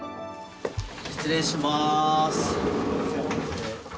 失礼します。